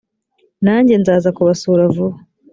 nanjye nzaza kubasura vuba